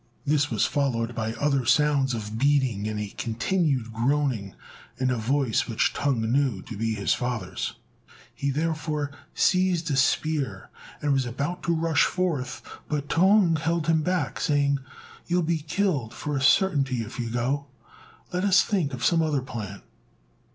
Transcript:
This was followed by other sounds of beating and a continued groaning, in a voice which Tung knew to be his father's. He therefore seized a spear, and was about to rush forth, but T'ung held him back, saying, "You'll be killed for a certainty if you go. Let us think of some other plan."